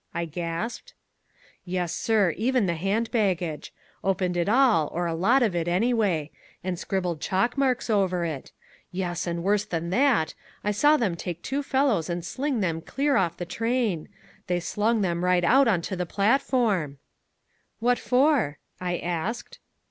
I gasped. "Yes, sir, even the hand baggage. Opened it all, or a lot of it anyway, and scribbled chalk marks over it. Yes, and worse than that, I saw them take two fellows and sling them clear off the train, they slung them right out on to the platform." "What for?" I asked.